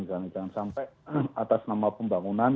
jangan sampai atas nama pembangunan